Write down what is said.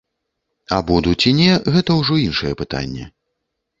А буду ці не, гэта ўжо іншае пытанне.